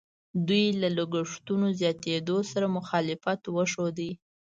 دوی له لګښتونو زیاتېدلو سره مخالفت وښود.